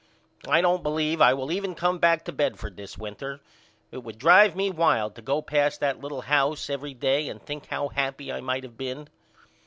I don't believe I will even come back to Bedford this winter. It would drive me wild to go past that little house every day and think how happy I might of been.